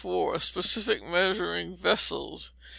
Specific Measuring Vessels.